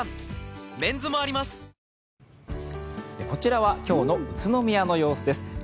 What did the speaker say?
こちらは今日の宇都宮の様子です。